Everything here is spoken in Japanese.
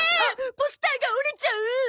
ポスターが折れちゃう！